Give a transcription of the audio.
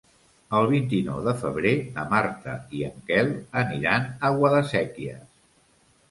El vint-i-nou de febrer na Marta i en Quel aniran a Guadasséquies.